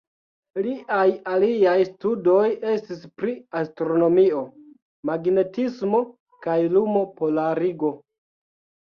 Liaj aliaj studoj estis pri astronomio, magnetismo kaj lumo-polarigo.